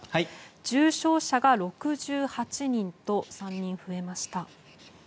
重症者が６８人と３人増えました。